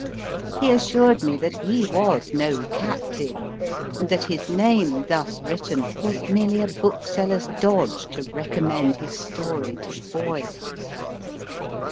He assured me that he was no captain. and that his name thus written was merely a bookseller s dodge to recommend his story to boys.